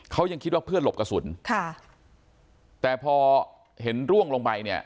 เขายังคิดว่าเพื่อนหลบกระสุนค่ะแต่พอเห็นร่วงลงไปเนี่ย